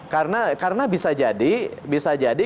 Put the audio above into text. karena karena bisa jadi